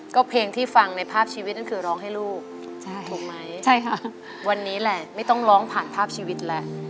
ก็เพลงที่ฟังในภาพชีวิตนั่นคือร้องให้ลูกถูกไหมใช่ค่ะวันนี้แหละไม่ต้องร้องผ่านภาพชีวิตแล้ว